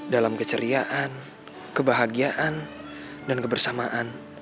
dalam keceriaan kebahagiaan dan kebersamaan